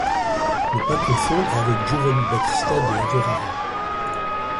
Ne pas confondre avec Giovanni Battista de Averara.